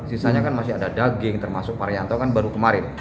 sisanya kan masih ada daging termasuk parianto kan baru kemarin